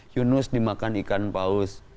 yunus dimakan ikan paus